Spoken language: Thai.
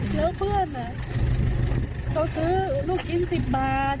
แล้วเพื่อนเขาซื้อลูกชิ้น๑๐บาท